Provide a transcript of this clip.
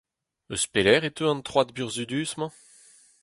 Eus pelec’h e teu an troad burzhudus-mañ ?